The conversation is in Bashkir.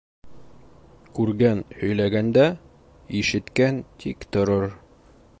Күргән һөйләгәндә, ишеткән тик торор.